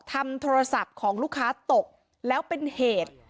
ทำโทรศัพท์ของลูกค้าตกแล้วเป็นเหตุ